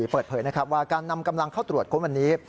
เปิดเผยนะครับว่าการนำกำลังเข้าตรวจค้นวันนี้